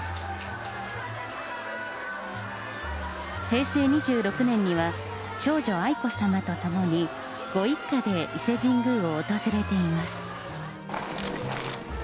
平成２６年には、長女、愛子さまと共にご一家で伊勢神宮を訪れています。